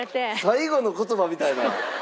最後の言葉みたいな。